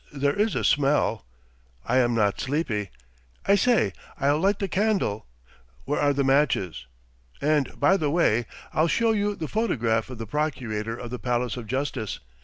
There is a smell ... I am not sleepy. I say, I'll light the candle. ... Where are the matches? And, by the way, I'll show you the photograph of the procurator of the Palace of Justice.